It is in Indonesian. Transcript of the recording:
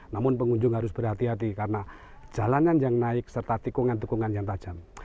namun pengunjung harus berhati hati karena jalanan yang naik serta tikungan tikungan yang tajam